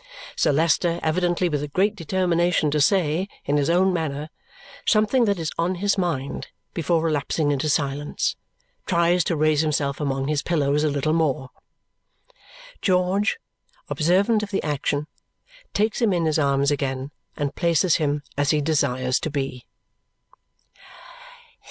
Sir Leicester, evidently with a great determination to say, in his own manner, something that is on his mind before relapsing into silence, tries to raise himself among his pillows a little more. George, observant of the action, takes him in his arms again and places him as he desires to be.